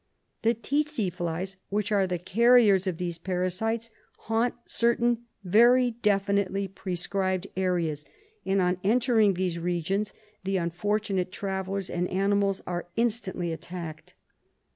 The tsetse flies which are the carriers of these parasites haunt certain very definitely prescribed areas, and, on entering these regions, the unfortunate travellers and animals are instantly attacked.